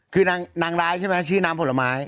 คือนางร้ายใช่ไหมชื่อน้ำผลไม้